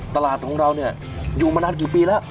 ตลาดของเราเนี่ยอยู่มานานกี่ปีแล้ว